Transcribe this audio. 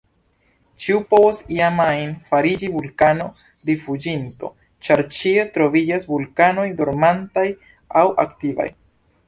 Ĉiu povos iam ajn fariĝi vulkano-rifuĝinto, ĉar ĉie troviĝas vulkanoj dormantaj aŭ aktivaj.